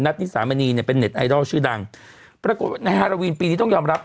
นิสามณีเนี่ยเป็นเน็ตไอดอลชื่อดังปรากฏว่าในฮาราวีนปีนี้ต้องยอมรับ